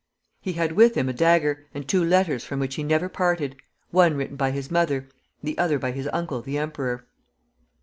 He had with him a dagger, and two letters from which he never parted, one written by his mother, the other by his uncle, the emperor.